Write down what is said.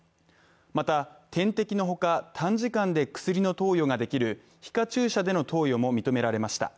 また、点滴のほか短時間で薬の投与ができる皮下注射での投与も認められました。